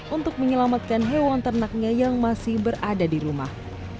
untuk menyelamatkan hewan ternaknya yang masih berada di rumah